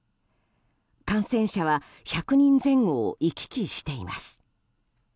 感染者は１００人前後を行き来しています。